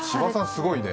すごいね。